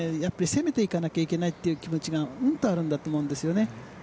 攻めていかなければいけないという気持ちがうんとあると思うんですよね。